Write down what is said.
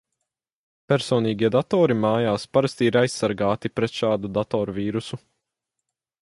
Personīgie datori mājās parasti ir aizsargāti pret šādu datorvīrusu.